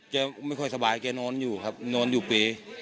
แกไม่ค่อยสบายแกนอนอยู่ครับนอนอยู่เปย์